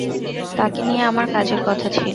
তাঁকে নিয়ে আমার কাজের কথা ছিল।